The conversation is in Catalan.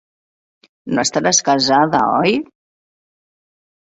No estaràs casada, oi?